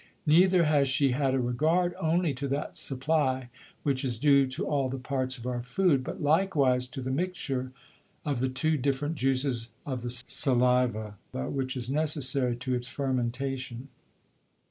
Neither has she had a Regard only to that Supply, which is due to all the parts of our Food, but likewise to the mixture of the two different Juices of the Saliva, which is necessary to its Fermentation.